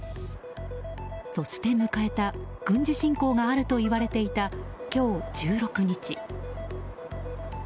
そして迎えた軍事侵攻があるといわれていた、今日１６日。